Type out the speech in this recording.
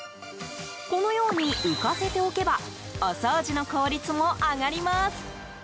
このように浮かせておけばお掃除の効率も上がります。